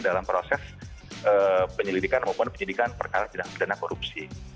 dalam proses penyelidikan maupun penyelidikan perkara tidak berkenaan korupsi